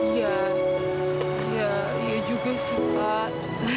ya iya juga sih pak